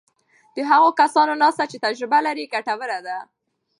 د هغو کسانو ناسته چې تجربه لري ګټوره ده.